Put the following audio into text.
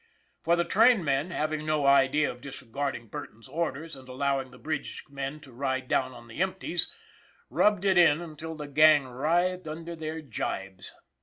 For the train men, having no idea of disregarding Burton's orders and allowing the bridge men to ride down on the empties, rubbed it in until the gang writhed under their gibes.